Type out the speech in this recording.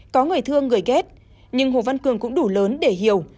có người thương người ghét nhưng hồ văn cường cũng đủ lớn để hiểu